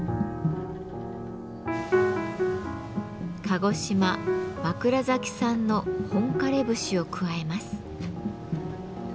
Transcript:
鹿児島・枕崎産の本枯れ節を加えます。